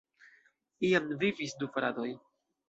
Iam vivis du fratoj.